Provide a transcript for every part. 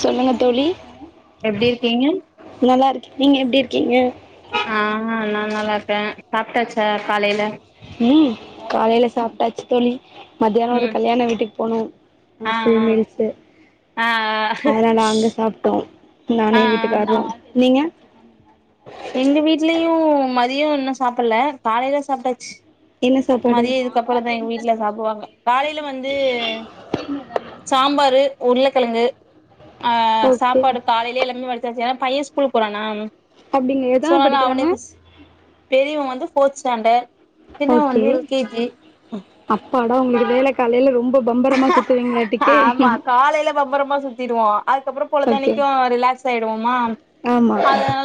சொல்லுங்க தோழி எப்டி இருக்கீங்க நல்லா இருக்கே நீங்க எப்டி இருக்கீங்க? ஆ நா நல்லா இருக்கே சாப்ட்டாச்சா காலைல ம் காலைல சாப்ட்டாச்சு தோழி மத்தியானோ ஒரு ம் கல்யாண வீட்டுக்கு போனோ ஆ ஃபுல் மீல்ஸு ஆ அதனால அங்க சாப்ட்டோ ஆ ஆ நானு எ வீட்டுக்காரரோ நீங்க எங்க வீட்லயூ மதியோ இன்னு சாப்புட்ல காலைல சாப்ட்டாச்சு என்ன சாப்பாடு மதியோ இதுக்கப்புறோ தா எங்க வீட்ல சாப்டுவாங்க காலைல வந்து சாம்பாரு உருளக்கெழங்கு ஆ ஓகே சாப்பாடு காலைலேயே எல்லாமே வடிச்சாச்சு ஏன்னா பைய ஸ்கூல் போறானா அப்படிங்க சோ எதாவது நா படிக்கிறாங்க அவனுக்கு பெரியவ வந்து ஃபோர்த் ஸ்டாண்டர் சின்னவ ஓகே வந் எல் கே ஜி அப்பாடா உங்கள்து வேல காலைல ரொம்ப மா சுத்துவீங்களாட்டி ஆமா காலைல பம்பரமா சுத்தீடுவோ அதுக்கப்புறோ ஓகே பொழுதன்னைக்கு ரிலாக்ஸ் ஆயிடுவோமா ஆமா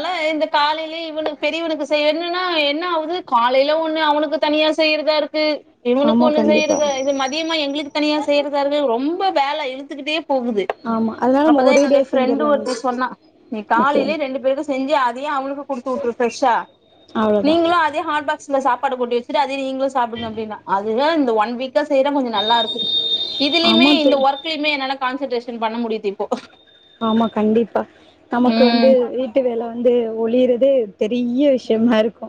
ஆ இந்த காலையிலயே இவனுக்கு பெரியவனுக்கு செய்யணுன்னா என்ன ஆவுது காலையில ஒண்ணு அவனுக்கு தனியா செய்யறதா இருக்கு இவனுக்கு ஆமா ஒண்ணு கண்டிப்பா செய்யறது இது மதியமா எங்களுக்கு தனியா செய்யறதா இருக்கு ரொம்ப வேல இழுத்துக்கிட்டே போகுது ஆமா அதனால நம்ம அப்பதா ஒரே டே என்னுடைய ஃப்ரெண்டு செஞ்சிடலாங்க ஒருத்தி சொன்னா நீ ஓகே காலைலேயே ரெண்டு பேருக்கு செஞ்சு அதயே அவனுக்கு குடுத்து வுட்ரு ஃப்ரெஷ்ஷா அவ்வளோதான் நீங்களு அதே ஹாட்பாக் ச்ல சாப்பாடு கொண்டு வெச்சுட்டு அதே நீங்களு சாப்புடுங்க அப்டின்னா அதுதா இந்த ஒன் வீக்கா செய்றா கொஞ்சோ நல்லா இருக்கு இதுலயுமே ஆமா இந்த தோழி ஒர்க்லயுமே என்னால கான்சென்ட்ரேஷன் பண்ண முடியுது இப்போ ஆமா கண்டிப்பா நமக்கு வந்து ம் வீட்டு வேல வந்து ஒளிறுது பெரிய விஷயமா இருக்கு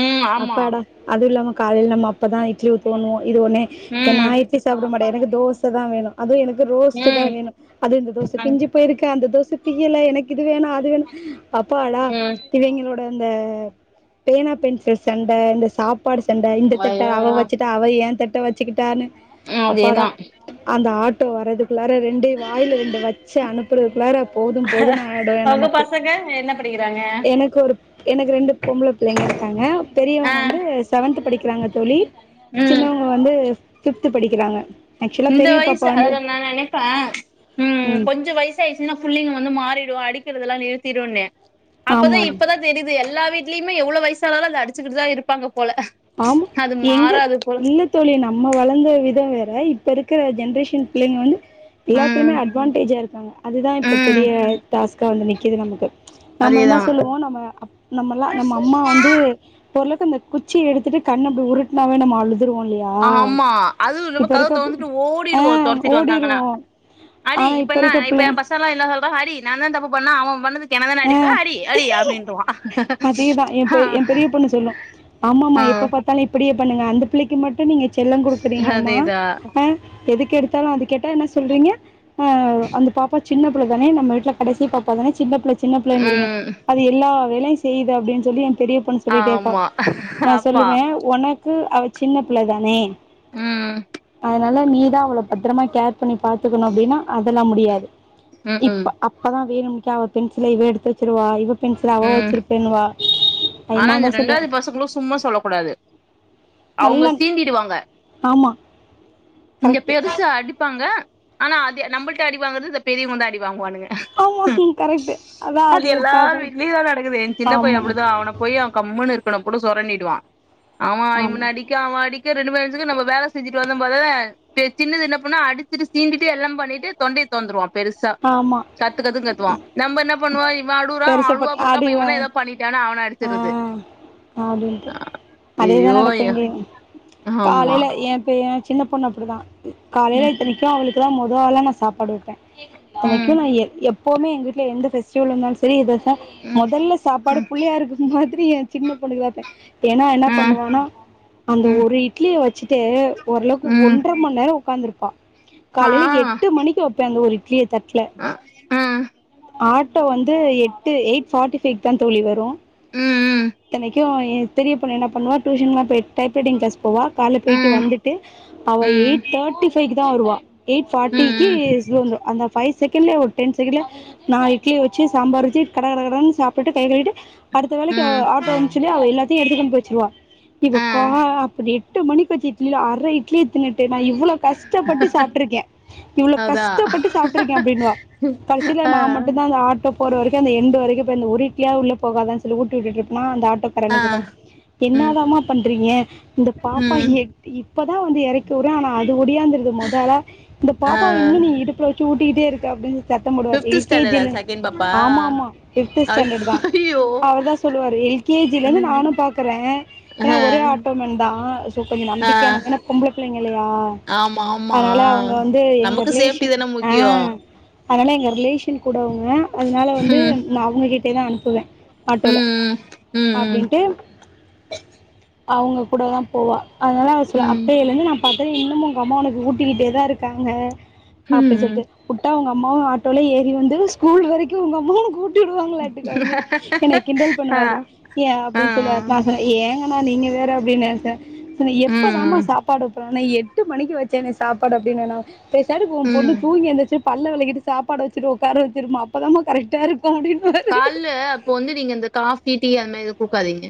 ம் ஆமா அப்பாடா அதுவு இல்லாம காலையில நம்ம அப்பதா இட்லி ஊத்துவோனு இது ஒடனே எ நா ம் இட்லி சாப்ட மாட்டே எனக்கு தோச தா வேணு அதுவு எனக்கு ரோஸ்ட் தா வேணு அதுவு இந்த தோச ம் பிஞ்சு போயிருக்கே அந்த தோச பிய்யல எனக்கு இது வேணு அது வேணு அப்பாடா ம் இவைங்களோ ட இந்த பேனா பென்சில் சண்ட அந்த சாப்பாடு சண்ட இந்த தட்ட அய்யய்யோ அவ வச்சுட்டா அவ ஏ தட்ட வச்சுக்கிட்டானு ம் அதேதா அப்பாடா அந்த ஆட்டோ வரதுக்குள்ளார ரெண்டையு வாயில ரெண்டு வ ச்சு அனுப்புறது ஒரு குள்ளார போது போதுன்னு ஆய்டு எ உங்க நமக்கு பசங்க என்ன படிக்கிறாங்க எனக்கு ஒரு எனக்கு ரெண்டு பொம்பள புள்ளைங்க இருக்காங்க ஆ பெரியவங்க வந்து செவன்த் படிக்கிறாங்க தோழி ம் சின்னவங்க வந்து பிப்த் படிக்கிறாங்க ஆக்சுவலாக இந்த பெரிய வயசு பாப்பா வந்து அதாவது நா நெனைப்பே ம் கொஞ்ச வயசு பெருசாயிறுச்சின்னா புள்ளங்க வந்து மாறிடு அடிக்கிறதுல்லா நிறுத்திடுன்னு அப்பதா ஆமாம் இப்பதா தெரிது எல்லா வீட்லயுமே எவ்ளோ வயசானாலு அது அடிச்சுகிட்டுதா இருப்பாங்க போல ஆமா அது எங்க மாறாது போல இல்ல தோழி நம்ம வளந்த விதோ வேற இப்ப இருக்கிற ஜென்ரேஷ ன் பிள்ளைக வந்து எல்லாத்துலயுமே ம் அட்வான்டேஜா இருக்காங்க அதுதா இப்ப ம் பெரிய டாஸ்க்கா வந்து நிக்குது நமக்கு நம்ம என்ன அதேதா சொல்லுவோ நம்ம அப் நம்மல்லா நம்ம அம்மா வந்து ஓரளவுக்கு அந்த கு ச்சி எடுத்துட்டு கண்ண அப்டி உருட்னாவே நம்ம அழுது ஆமா அதுவு இல்லாம கதவ இருக்க தொறந்துட்டு ஆ ஓடிடுவோ தொரத்திட்டு வந்தாங்கன்னா ஓடிருவோ அடி ஆனா இப்ப என்ன இருக்க இப்ப ஏ பிள்ளைங் பசங்கலா என்ன சொல்றா அடி நா என்ன தப்பு பண்ணே அவே பண்ணதுக்கு என்ன தான ஆ அடிப்ப அடி அடி அப்டின்றுவா ஆ ஆமா ஆமா ஆ எப்ப பாத்தாலு இப்டியே பண்ணுங்க அந்த பிள்ளைக்கு மட்டு நீங்க செல்லோ கொடுக்குறீங்கம்மா அதேதா ஆ எதுக்கு எடுத்தாலு அது கேட்டா என்ன சொல்றீங்க ஆ அந்த பாப்பா சின்ன பிள்ள தானே நம்ம வீட்ல கடைசி பாப்பா தான சின்ன பிள்ள சின்னபிள்ளங்கீறிங்க ம் அது எல்லா வேலையு செய்து அப்டின்னு சொல்லி ஏ பெரிய பொண்ணு சொல்லிட்டே இருப்பா ஆமா நா அப்பா சொல்லுவே ஒனக்கு அவ சின்ன பிள்ளதானே ம் அதனால நீதா அவள பத்தரமா கேர் பண்ணி பாத்துக்கணு அப்டின்னா அதெல்லா முடியாது ம் ம் இப்ப அப்பதா வேணும்க்கே அவ பென்சில இவ எடுத்து வச்சிருவா இவ பென்சில அவ ம் வச்சிருப்பேன்னுவா அது ஆனா நா இந்த தா சொல்லுவே ரெண்டாது பசங்களு சும்மா சொல்லக் கூடாது அவங்க நல்லா சீண்டிடுவாங்க ஆமா இங்க கரெக்ட் பெருச அடிப்பாங்க ஆனா அது நம்மள்ட்ட அடிவங்கறது இந்த பெரியவங்கதா அடி வாங்குவானுங்க ஆமா ம் கரெக்ட் அதா அது எ எல்லாரு பாப்பா வீட்லயு தா நடக்குது ஏ சின்ன பையே ஆமா அப்டிதா அவன போய் அவ கம்ன்னு இருக்கனு கூட சொரண்டிடுவா அவ ஆமா இவன அடிக் க அவே அடிக்க ரெண்டு பேச்சுக்கு நம்ம வேல செஞ்சுட்டு வந்த போதல்ல சின்னது என்ன பண்ணு அடிச்சுட்டு சீண்டிட்டு எல்லா பண்ணிட்டு தொண்டைய தொறந்துருவா பெருசா ஆமா கத்து கத்துன்னு கத்துவா நம்ம என்ன பண்ணுவோ இவே அழுவுறா அவே பெருசப்பட் அழுவாம இருக்கா அப்ப அடிவ இவந்தா எதோ பண்ணிடானு அவன அடிச் ஆ அப்டின்டு அதே தா ஐயோ நடக்கு இங்கயு ஆமா காலேல ஏ பெ ஏ சின்ன பொண்ணு அப்டிதா காலேல ம் இத்தனைக்கு அவளுக்கு தா மொத ஆளா நா சாப்பாடு வப்பே என்னைக்கு ம் நா எப் எப்பவுமே எங்க வீட்ல எந்த பெஃஸ்டிவல் வந்தாலு சரி இது வச்சா ம் மொதல்ல சாப்பாடு புள்ளையாருக்கு மாதிரி ஏ சின்ன பொண்ணுக்குதா வப்பே ஏன்னா என்ன ம் பண்ணுவானா அந்த ம் ஒரு இட்லிய வச்சிட்டே ஓரளவுக்கு ம் ஒன்ற மணி நேரோ ஒக்காந்துருப்பா ஆ காலேல எட்டு மணிக்கு வப்பே அந்த ஒரு இட்லிய தட்ல ஆ ம் ஆட்டோ வந்து எட்டு எயிட் ஃபார்ட்டி ஃபைவ்க்குதா தோழி வரு ம் ம் என்னைக்கு ஏ பெரிய பொண்ணு என்ன பண்ணுவா டியூஷன்லா போயிட்டு டைப் ரைடிங் கிளாஸ் போவா கால்ல போயிட்டு ம் வந்துட்டு அவ ம் எயிட் தேட்டி ஃபைக்கு தா வருவா எயிட் ஃபார்ட்டிக்கி ம் சுயம்பு அந்த ஃபைய் செக்கண்ல ஒரு டென் செக்ண்ட்ல நாலு இட்லிய வச்சி சாம்பார் வச்சி கட கட கடன்னு சாப்ட்டு கை கழுவிட்டு அடுத்த வேல ஆ ம் ஆட்டோ வரு சொல்லி அவ எல்லாத்தயு எடுத்துக்கொண்டு போய் வச்சுருவா இவ ஆ கா அப்டி எட்டு மணிக்கு வச்ச இட்லில அர இட்லிய தின்னுட்டு நா இவ்ளோ கஸ்டப்பட்டு சாப்ட்டுருக்கே இவ்வள கஷ்டப்பட்டு சாப்ட்டுருக்கே அப்டின்னுவா கடசில நா மட்டுந்தா அந்த ஆட்டோ போற வரைக்கு அந்த எண்டு வரைக்கு போய் அந்த ஒரு இட்லியாது உள்ள போகாதான்னு சொல்லி ஊட்டி விட்டுட்டு இருப்பேனா அந்த ஆட்டோ ஆ ரண்கபா ம் என்னதாம பண்றீங்க இந்த பாப்பா ம் இப்பதா வந்து எறக்கி விர்ற ஆனா அது ஒடியாந்திருது மொத ஆமா இந்த ஆ பாப்பாவ இன்னு நீ இடுப்புல வெ சச்சு ஊட்டிகிட்டே இருக்க அப்டின்னு சத்தம் போடுவார் ஃபிப்த் எல் கே ஸ்டாண்டர்டா ஜில செகண்ட் பாப்பா ஆமாமா ஃபிஃப்த்து அய் ஸ்டாண்டர்ட்டுதான் ஐயோ அவதா எல் கே ஜிலந்து ம் நானு பாக்கற அ ஏனா ஒரே ஆட்டோ மேன்தா சோ கொஞ்சோ ஆ நம்பிக்கயான பொம்பள பிள்ளைங்க இல்லயா ஆமா ஆமா அதனால அவுங்க வந்து எங்க நமக்கு சேஃப்டி ரிலேஷன் தான அ முக்கியோ அதனால எங்க ரிலேஷன் கூட அவுங்க அதனால வந்து ம் நா அவுங்ககிட்டயேதா அனுப்புவேன் ஆட்டோல ம் ம் அப்டின்ட்டு அவுங்க கூடதா போவா அதனால அவ சொல்லுவா ம் அப்பைலந்து நம் பாத்தா இன்னுமு உங்க அம்மா உனக்கு ஊட்டிக்கிட்டேதா இருக்காங்க ம் அப்டின் ம் சொல்ட்டு வுட்டா உங்க அம்மாவு ஆட்டோல ஏறி வந்து ஸ்கூல் வரைக்கு உங்க அம்மா உனக்கு ஊ ட்டி விடுவாங்களாட்டுக்கு அப்டின் சொல்லி என்னை கிண்டல் ஆ பண்ணுவாரு ஏ ஆ அப்டின் சொல்லுவாரு நா சொன்ன ஏங்கனா நீங்க வேற அப்டின்னுட்ட எப்பதாம ம் சாப்பாடு வெப்ப நா எட்டு மணிக்கு வெச்சேண்ண சாப்பாடு அப்டின்னனா பேஸாட்டுக்கு உன் பொண்ணு ம் தூங்கி எந்துச்சு பல்ல வெளக்கிட்டு சப்பாடு வெச்சிரு உக்கார வெச்சிருமா அப்பதாமா கரெக்டா இரு க்கு அப்டின்னுபாரு கால்ல அப்போ வந்து நீங்க இந்த காஃபி, டீ அது மாரி எதுவு குடுக்காதீங்க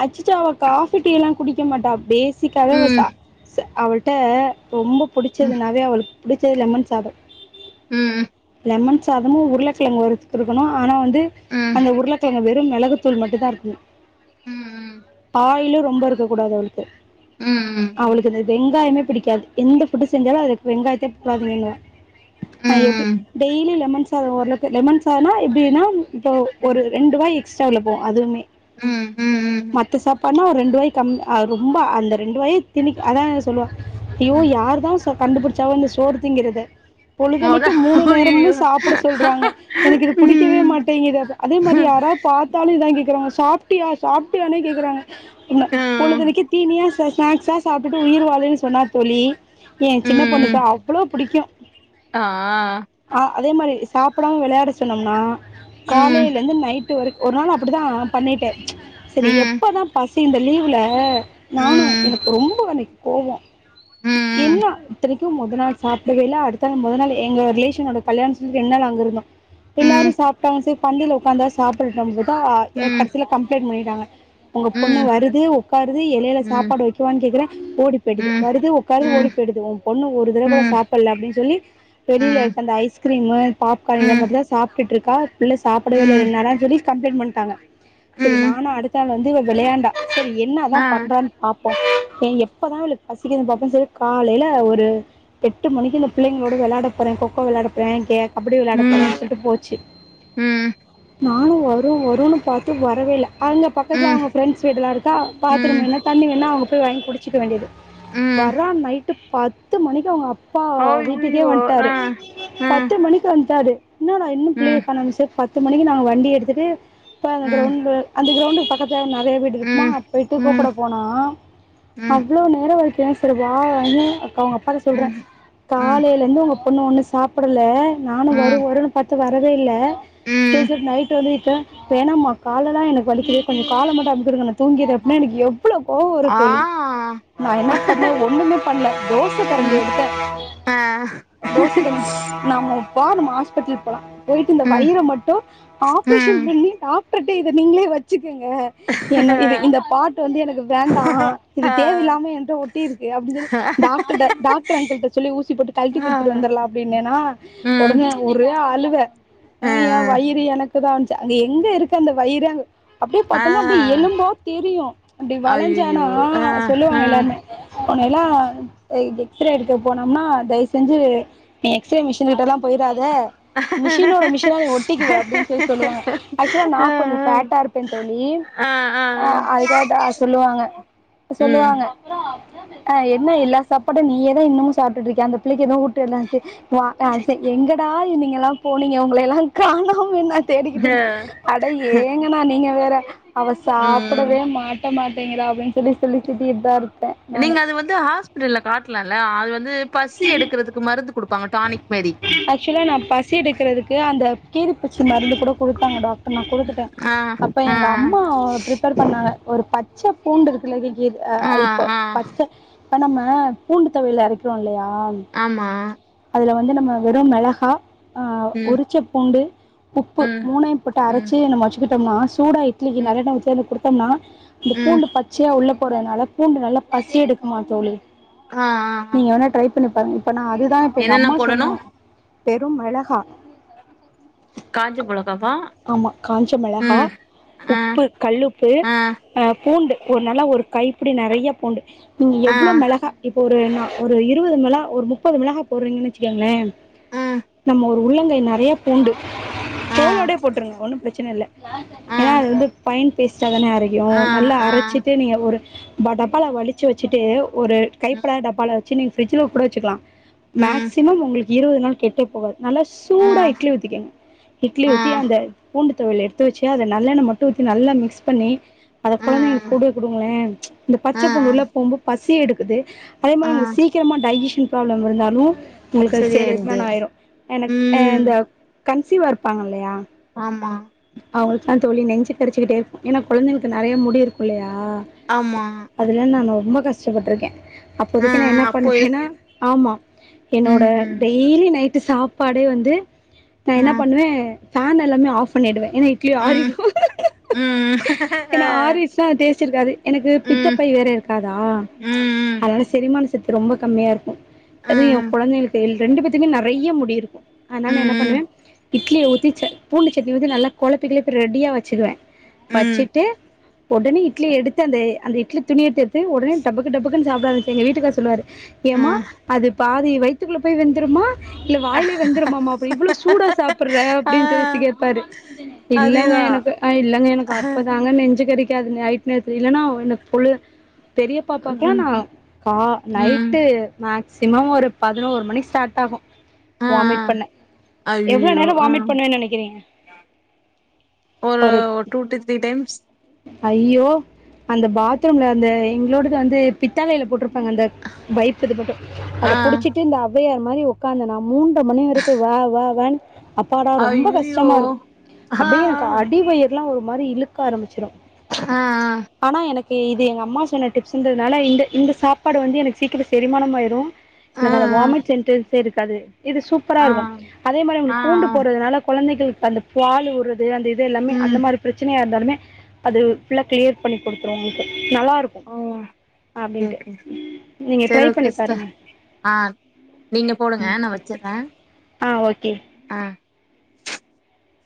அச்சச்சோ அவ காஃபி, டீ ல்லா குடிக்க மாட்டா பேசிக்காவே அவ ம் ச ச அவள்ட்ட ரொம்ப ம் புடிச்சதுனாவே அவளுக்கு புடிச்சது லெமன் சாதோ ம் லெமன் சாதமு உருளக்கிழங்கு வறுத்து குடுக்கணு ஆனா வந்து ம் அந்த உருளக்கிழங்கு வெறு மெளகுத்தூள் மட்டுந்தா இருக்கனு ம் பாயிலு ரொம்ப இருக்க கூடாது ம் ம் அவுளுக்கு வெங்காயமே புடிக்காது எந்த ஃபுட்டு செஞ்சாலு அதுக்கு வெங்காயத்தயே போடாதீங்கனுவா நா எப்டி ம் டெய்லி லெமன் சாதோ ஓரளக்கு லெமன் சாதோன்னா எப்டினா இப்போ ஒரு ரெண்டு வாய் எக்ஸ்ட்ரா அதுல போ அதுவுமே ம் ம் ம் மத்த சாப்பாடுனா ஒரு ரெண்டு வாய் கம்மி ஆகு ரொம்ப அந்த ரெண்டு வாய் திணி அதா சொல்லுவா அய்யோ ம் யார்தா இப் கண்டுபுடிச்சா ஒன்னு சோர் திங்கிறது [inaudible] பொழுதினிக்கு மூணு நேரமு அய்யய்யோ சாப்ட சொல்றாங்க எனக்கு இது புடிக்கவே ம் மாட்டேங்குது அதே மாதி யாரா பா த்தாலு இதான் கேக்குறாங்க சாப்ட்டியா சாப்ட்டியானே கெக்குறாங்க அம்மா ம் பொழுதினிக்கு தீனியா ஸ்நாக்ஸா சாப்ட்டுட்டு உயிர்வாழுனு சொன்னா தோழி என் சின்ன ம் பொண்ணுக்கு அவ்ளோ புடிக்கு ஆ ஆ அதே மாரி சாப்டாம வெளயாட சொன்னம்னா ம் காலைலந்து நைட் டு ஒரு நாள் அப்டிதா பண்ணிட்ட சரி ம் எப்பதா பசி இந்த லீவ்ல நானு ம் எனக்கு ரொம்ப அன்னைக்கு கோவோ ம் ம் என்ன இத்தனைக்கு மொத நாள் சாப்டவே இல்ல அடுத்த நாள் மொத நாள் எங்க ரிலேஷனோட கல்யாணோ சொல்லி ரெண்டு நாள் அங்க இருந்தோ எல்லாரு ம் ம் சாப்ட்டாங்க சேரி பந்தில உக்காந்தா சாப்பிட சொல்ட்டா ம் கடைசில கம் ப்ளைன்ட் பண்ணிட்டாங்க உங்க பொண்ணு ம் வருது உக்காருது எலைல ம் சாப்பாடு வெக்கவான்னு கேக்கற ஓடி போயிடுது ம் வருது உக்காருது ஓடி போயிடுது உன் பொண்ணு ஒரு தடவ கூட சாப்பல்ல அப்டின்னு சொல்லி ம் வெளில ம் இருக்க அந்த ஐஸ்கிரீமு, பாப்கார்ன் இந்த ம் மாரிதா சாப்ட்டுட்டு இருக்கா பிள்ள சாப்டவே இல்ல ரெண் ம் நாளானு சொல்லி கம்ப்ளைண்ட் பண்ட்டாங்க சரி நானு அடுத்த நாள் வந்து இவ விளையாண்டா செரி என்ன தா பண்றான் பாப்போ ஏ எப்பதா இவளுக்கு பசிக்குதுனு பாப் இது காலைல ஒரு எட்டு மணிக்கு இந்த பிள்ளைங்களோட வெளாட போற கொக்கோ வெளாட போற கே கபடி வெளாட ஆ போறன்னு சொல்ட்டு போச்சு ம் நானு வரு வருன்னு பாத்த வரவே இல்ல அங்க பக்கத்துல ம் அவங்க ஃப்ரெண்ட்ஸ் வீடெல்லா இருக்கா பாத்ரூம் ம் வேணுணா தண்ணி வேணுணா அங்க போய் வாங்கி குடிச்சுக்க வேண்டியது வரான் நைட்டு பத்து மணிக்கு அவங்க அப்பா வீட்டுக்கே அய்யய்யோ வன்ட்டாரு ஆ ஆ ம் பத்து மணிக் கு வன்ட்டாரு இன்னாடா இன்னு பிள்ளைய ம் காண்னு சொல் பத்து மணிக்கு நாங்க வண்டி எடுத்துட்டு இப்ப அந்த ம் கிரௌண்டு அந்த கிரௌண்டுக்கு பக்கத்துல நறைய வீடு இருக்குமா ம் ம் போயிட்டு ம் கூப்பட போனா அவ்ளோ நேரம் வரைக்கு செரி வானு அப்ப அவங்க அப்பாட்ட சொல்ற ம் காலைல இருந்து ஒங்க பொண்ணு ஒண்ணு சாப்படல நானு வரு ம் வருன்னு பாத்து வரவே இல்ல ம் சேர் சேர் நைட்டு வந்து விட்ட வேணாமா கால்லதா எனக்கு வலிக்குது கொஞ்ச கால மட்டு அமிக்கிவிடுங்க நா தூங்கிர்ற அப்னா எனக் எவ்ளோ கோவம் வரு ஆ தோழி நா என்ன பண்ண ஒன்னுமே பண்ல தோ ச கரண்டி ம் எடுத்த ஆ தோச கரண்டி நாம பாரு ஹாஸ்பிட்டல் போலா போயிட்டு இந்த ம் வயிறு மட்டு ஆப்ரேஷன் ம் பண்ணி டாக்டர்ட்ட இத நீங்களே வச்சுகுங்க என்ன இது இந்த பாட்டு வந்து எனக்கு வேண்டா இது ஆ தேவ இல்லாம என்ட ஒட் டிருக்கு அப்டினு சொல்லி டாக்டர்ட்ட டாக்டர் அன்கிள்ட்ட சொல்லி ஊசி போட்டு கழட்டி ஆ குடுத்துட்டு வந்தரலா அப்டின்னேனா ம் ஒடனே ஒரே அழுவ ஆ என் வயிறு எனக்கு தான்ச்சு அங்க எங்க இருக்கு அந்த வயிறு அங்க அப்டியே ஆ பார்த்தோம்னா அப்டி ஆ எலும்பா தெரியு அப்டி அய்யய்யோ வளஞ்சானா ஆ ஆ சொல்லுவாங்க எல்லாருமே உன்னைலா எக்ஸ்ரே எடுக்க போனோம்னா தயவு செஞ்சு நீ எக்ஸ்ரே மிஷின் கிட்டல்லாம் போயிறாத மிஷினோட மிஷினா நீ ஒட்டிக்குவ அப்டின்னு சொல்லி சொல்லுவாங்க ஆக்சுவலா நா ஆ கொஞ்சோ ஃபேட்டா இருப்பேன் தோழி ஆ அதுக்கேட்டா சொல்லுவாங்க ம் சொல்லுவாங்க ஆ என்ன எல்லா சாப்பாடும் நீயேதா இன்னமு சாப்டுட்டு இருக்கியா அந்த பிள்ளைக்கு எதுவும் ஊட்டிவிடலன்ட்டு வா எங்கடா இருந்தீங்க எல்லா போனீங்க உங்கள எல்லா காணமுனு நா தேடிக்கிட்டு இருந்த அட ஏங்க ஏனா நீங்க வேற அவ ம் சாப்படவே மாட் மாட்டிகிற அப்டின் சொல்லி திட்டிட்தா இருப்ப நீங்க அது வந்து ஹாஸ்பிட்டல்ல காட்லால்ல அது வந்து பசி எடுக்கறதுக்கு மருந்து குடுப்பாங்க டானிக் மேரி ஆக்சுவலா நா பசி எடுக்கறதுக்கு அந்த கீரிப்பூச்சி மருந்து கூட குடுத்தாங்க டாக் டர் நா குடுத்துட்ட ஆ அப்ப ஆ எங்க அம்மா ப்ரிப் பர் பண்ணாங்க ஒரு பச்ச பூண்டு ஆ இருக்குல்ல இப்ப ஆ பச் ச இப்ப நம்ம பூண்டு தொவையல் அரைக்கிறோ இல்லையா ஆமா அதுல வந்து நம்ம வெறு மெளகா ஆ ம் உரிச்ச பூண்டு உப்பு ம் மூனையு போட்டு ம் அரைச்சு நம்ம வச்சிக்கிட்டோம்னா சூடா இட்லிக்கு ம் நல்லெண்ணெய் ஊத்தி அதுல குடுத்தோம்னா அந்த ம் பூண்டு பச்சியா உள்ள போறதுனால பூண்டு நல்லா பசி எடுக்குமா தோழி ஆ ஆ ஆ நீங்க வேன்னா ட்ரை பண்ணிப் பாருங்க இப்ப நா அதுதா இப்ப எங்க என்னென்ன அம்மா போடணு சொன்னாங்க வெறும் மெளகா காஞ்ச மொளகாவா ஆமா காஞ்ச மெளகா ம் ஆ உப்பு கல்லுப்பு ஆ பூண்டு ஒரு நல்லா ஒரு கைப்பிடி நறைய பூண்டு நீங்க ஆ எவ்ளோ மெளகா இப்ப ஒரு நா ஒரு இருவது மிள ஒரு முப்பது மிளகா போட்றீங்கன்னு வச்சுக்கோங்களே ம் நம்ம ஒரு உருளங்கை நெறையா பூண்டு ஆ தோலோடே போட்டுருங்க ஒன்னு பிரச்சன இல்ல ஆ ஏனா அது வந்து பைன் பேஸ்டா தானே அரையு ஆ நல்லா ஆ அரச்சிட்டு நீங்க ஒரு ப டப்பால வழிச்சு வெச்சுட்டு ஒரு ம் கைபடாத டப்பால வச்சு நீங்க பிரிட்ஜுல கூட வெச்சுக்கலா ம் மேக்சிமம் உங்களுக்கு இருவது நாள் கெட்டே போகாது நல்லா ஆ சூடா இட்லி ஊத்திக்கெங்க இட்லி ஆ ஊத்தி அந்த பூண்டுத் தொவையல எடுத்து வெச்சு அத நல்லெண்ண மட்டு ஊத்தி நல்லா மிக்ஸ் பண்ணி அத கொழந்தைங்களுக்கு குடு ஆ குடுங்களே இந்த பச்ச ஆ பூண்டு உள்ள போம்போ பசியெடுக்குது அத் ஆ சீக்கிரமா டைஜெஷன் ப்ராப்ளம் இருந்தாலு உங்களுக்கு அது செரிமான சரியாயிடுது ஆயிரு எனக்கு ம் இந்த கன்சிவா இருப்பாங்க இல்லையா ஆமா அவ்ங்களுக்குலா தோழி நெஞ்ச கரிச்சுக்கிட்டே இருக்கு ஏனா கொழந்தைகளுக்கு நெறைய முடி இருக்கு இல்லையா ஆமா அதுல நானு ரொம்ப கஷ்டப்பட்ருக்கே ஆ ஆ அப்பதைக்கு நா என்ன அப்போ இது பண்ணுவேனா ஆமா என்னோட ம் ம் டெய்லி நைட் ட்டு சாப்பாடே வந்து நா ஆ என்ன பண்ணுவே ஃபேன் எல்லாமே ஆஃப் பண்ணிடுவே ஏனா இட்லி ம் ஆரிரு ம் ஆ ஏனா ஆரிர்ச்சுனா அது டேஸ்ட் இருக்காது எனக்கு ம் பித்தப்பை வேற இருக்காதா ம் ம் அதனால செரிமான ச த்து இப்ப ரொம்ப கம்மியா இருக்கு ஆ அதுவு எ கொழந்தைகள் கையில் ரெண்டு பேத்துக்குமே நெறையா முடி இருக்கு ஆனால் நா என்ன ம் பண்ணுவே இட்லிய ஊத்தி ச பூண்டு சட்னி ஊத்தி நல்லா கொழப்பி கிலப்பி ரெடியா வச்சுருவே ம் வச்சிட்டு ஒடனே இட்லி எடுத்து அந்த அந்த இட்லி துணியதெட்த்து எட்த்து ஒடனே டபக்குடபக்குன் சாப்ட ஆரமிச்சு எங்க வீட்டுக்காரு சொல்லுவாரு ஏமா ம் அது பாதி வயித்துக்குள்ள போயி வெந்துருமா இல்ல வாயிலே வெந்துருமாமா அப்பற இவ்வளோ சூடா சாப்பிட்ற ஆ அப்டின் சொல்லி த்தி கேப்பாரு இல்லங்க அதேதா எனக்கு ஆ இல்லங்க எனக்கு அப்பதாங்க நெஞ்சு கரிக்காதுங்க ஐட் நா இப்போ இல்லன்னா என்ன பொழுர் பெரிய பாப்பாக்லா ம் நா கா ம் நைட்டு மேக்சிமம் ஒரு பதுனோரு மணிக்கு சாப்ட் டாகு ஆ வாமிட் பண்ண எவ்ளோ அய்யய்யோ நேர ஆ வாமிட் பண்ணேன் நெனைக் றீங்க ஒரு பொரு டூ டு த்ரீ டைம்ஸ் ஐயோ அந்த பாத்ரூம்ல அந்த எங்களோடது வந்து பித்தாலைல போட்ருப்பாங்க அந்த பைக் இது மட்டு அத ஆ புடிச்சிட் டு இந்த ஔவையார் மாரி ஒக்காந்தனா மூன்ற்ர மணி வரைக்கு வா வா வான் அப்பாடா ரொம்ப கஷ்ட ஐய்யய்யோ டமா இருக்கு ஆ அப்டியே எனக்கு அடிவயிறுலா ஒரு மாரி இழுக்க ஆரம்மிச்சிரு ஆ ஆ ஆனா எனக்கு இது எங்க அம்மா சொன்ன டிப்ஸ்ன்றதுனால இந்த இந்த சாப்பாடு வந்து எனக்கு சீக்கிர செரிமானமு ஆயிரு ஆ எனக்கந்த வாமிட் சென்டர்சே இருக்காது இது சூப்பரா ஆ இருக்கும் அதே மாரி அங்க ஆ ஆ பூண்டு போட்றதுனால கொழந்தைகளுக்கு தள்ளு பால் ஊறது அந்த இதெல்லாமே அந்த ம் மாரி பிரச்சனையா இருந்தாலுமே அது ஃபுல்லா கிளியர் பண்ணி கொடுத்துரு உங்களுக்கு நல்லா இருக்கு ஓ ஓகே ஓகே சிஸ் சேரி ஓகே பண்ணி சிஸ்டர் பாருங்க ஆண் நீங்க போடுங்க நா வச்சிறேன் ஆ ஓகே ஆ